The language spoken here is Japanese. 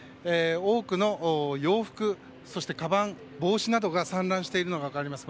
多くの洋服そしてかばん、帽子などが散乱しているのが分かります。